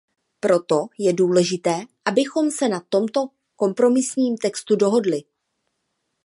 Proto je důležité, abychom se na tomto kompromisním textu dohodli.